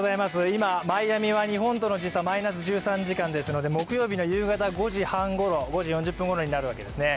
今、マイアミは日本との時差マイナス１３時間ですので、木曜日の夕方の５時４０分ごろになるわけですね。